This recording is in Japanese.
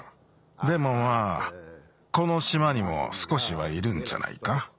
でもまあこのしまにもすこしはいるんじゃないか。